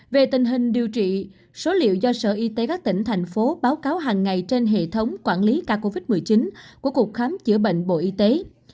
về tình hình điều trị số liệu do sở y tế các tỉnh thành phố báo cáo hàng ngày trên hệ thống quản lý ca covid một mươi chín của cục khám chữa bệnh bộ y tế